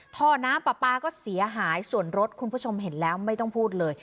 ท่อน้ำปลาปลาก็เสียหายส่วนรถคุณผู้ชมเห็นแล้วไม่ต้องพูดเลย